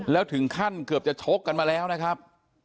แล้วถึงขั้นเกือบจะชกกันมาแล้วนะครับ